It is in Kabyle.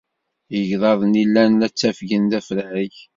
Igḍaḍ-nni llan la ttafgen d afrag.